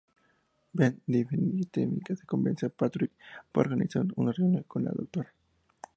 Ben difícilmente convence a Patrick para organizar una reunión con la Dra.